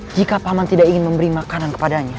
jika paman tidak ingin memberi makanan kepadanya